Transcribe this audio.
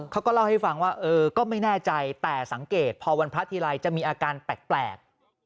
เขาก็เล่าให้ฟังว่าเออก็ไม่แน่ใจแต่สังเกตพอวันพระทีไรจะมีอาการแปลก